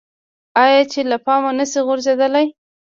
آیا چې له پامه نشي غورځیدلی؟